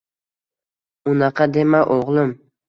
Unaqa dema o`g`lim